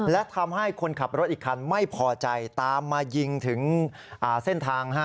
และทำให้คนขับรถอีกคันไม่พอใจตามมายิงถึงเส้นทาง